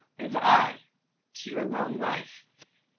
"And I to your long life."